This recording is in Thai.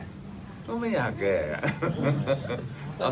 แต่ถ้าเรามีการดูแลเรื่อย